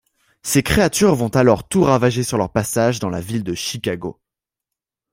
Ces créatures vont alors tout ravager sur leur passage dans la ville de Chicago.